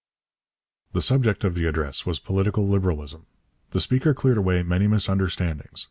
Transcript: The subject of the address was Political Liberalism. The speaker cleared away many misunderstandings.